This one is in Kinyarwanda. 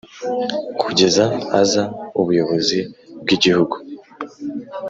Kugeza aza ubuyobozi bw igihugu